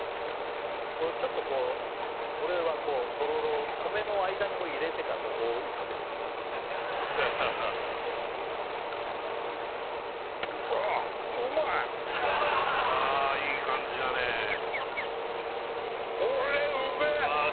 これちょっとこう俺はこうとろろを米の間に入れてからここをいくけどねこうやって・うわうわおいしそうああいい感じだねああ